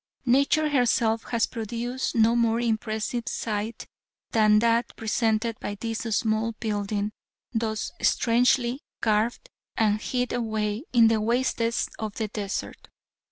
Nature herself has produced no more impressive sight than that presented by this small building thus strangely garbed and hid away in the wastes of the desert.